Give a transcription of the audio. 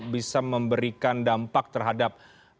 bisa memberikan dampak terhadap